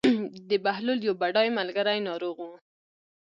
د بهلول یو بډای ملګری ناروغ و.